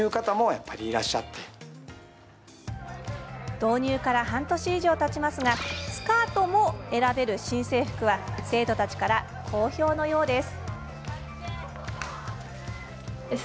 導入から半年以上たちますがスカートも選べる新制服は生徒たちから好評のようです。